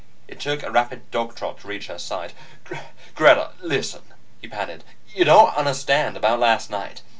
It took a rapid dog trot to reach her side. "Greta, listen!" he panted. "You don't understand about last night.